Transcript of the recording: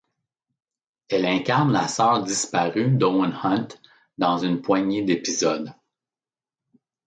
Elle incarne la sœur disparue d'Owen Hunt dans une poignée d'épisodes.